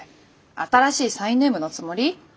新しいサインネームのつもり？